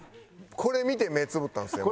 これ見て目つぶったんですよ。